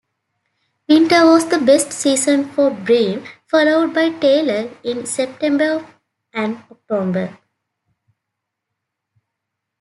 Winter was the best season for bream, followed by tailor in September and October.